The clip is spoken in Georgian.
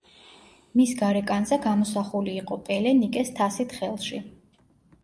მის გარეკანზე გამოსახული იყო პელე ნიკეს თასით ხელში.